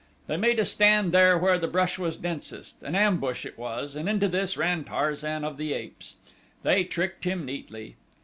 They made a stand then where the brush was densest an ambush it was, and into this ran Tarzan of the Apes. They tricked him neatly.